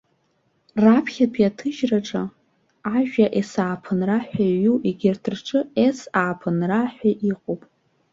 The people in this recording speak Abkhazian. Раԥхьатәи аҭыжьраҿы ажәа есааԥынра ҳәа иҩу, егьырҭ рҿы ес ааԥынра ҳәа иҟоуп.